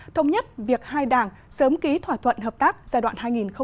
thông nhất việc hai đảng sớm ký thỏa thuận hợp tác giai đoạn hai nghìn hai mươi một hai nghìn hai mươi năm